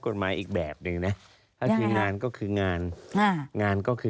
กฎหมายอีกแบบหนึ่งนะก็คืองานก็คืองานงานก็คือ